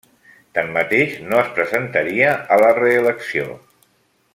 Tanmateix, no es presentaria a la reelecció.